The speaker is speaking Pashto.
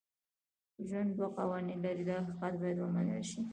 ژوند دوه قوانین لري دا حقیقت باید ومنل شي.